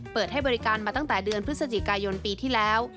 เปิดให้บริการมาตั้งแต่เดือนพฤศจิกายนปีที่แล้ว